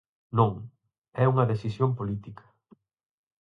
Non, é unha decisión política.